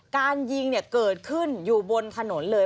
การยิงเนี่ยเกิดขึ้นอยู่บนถนนเลย